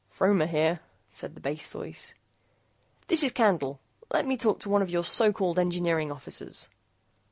"Fromer here," said the bass voice. "This is Candle. Let me talk to one of your so called engineering officers."